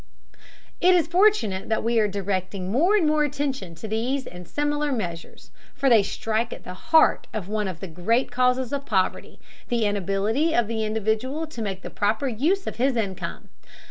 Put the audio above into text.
] It is fortunate that we are directing more and more attention to these and similar measures, for they strike at the heart of one of the great causes of poverty the inability of the individual to make the proper use of his income.